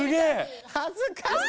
恥ずかしい！